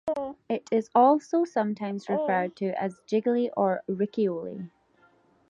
It is also sometimes referred to as gigli or riccioli.